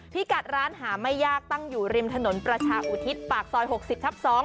ที่กัดร้านหาไม่ยากตั้งอยู่ริมถนนประชาอุทิศปากซอย๖๐ทับ๒